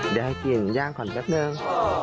เดี๋ยวให้กินย่างก่อนแป๊บนึง